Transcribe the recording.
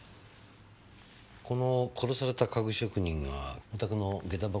この殺された家具職人がお宅の下駄箱作った人です。